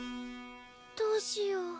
どうしよう。